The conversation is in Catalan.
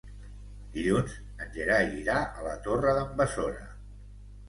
Dilluns en Gerai irà a la Torre d'en Besora.